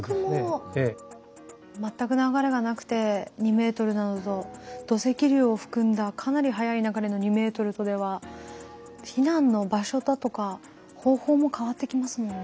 全く流れがなくて２ｍなのと土石流を含んだかなり速い流れの２ｍとでは避難の場所だとか方法も変わってきますもんね。